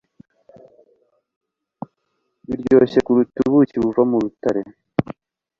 Biryoshye kuruta ubuki buva mu rutare